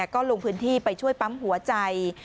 ก็ลงพื้นที่ไปช่วยปั๊มหัวใจ